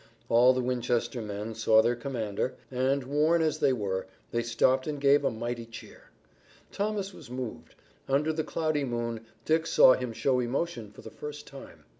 All the Winchester men saw their commander, and, worn as they were, they stopped and gave a mighty cheer. Thomas was moved. Under the cloudy moon Dick saw him show emotion for the first time.